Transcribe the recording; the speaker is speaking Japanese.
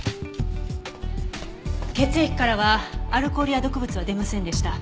血液からはアルコールや毒物は出ませんでした。